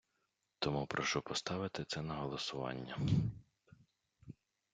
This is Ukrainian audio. Тому прошу поставити це на голосування.